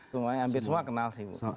semuanya hampir semua kenal sih bu